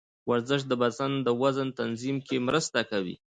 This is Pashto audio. ورزش د بدن د وزن تنظیم کې مرسته کوي.